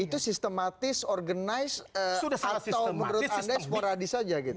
itu sistematis organisasi atau menurut anda esporadi saja gitu